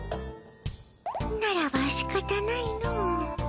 ならばしかたないの。